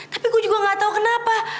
tapi gue juga gak tahu kenapa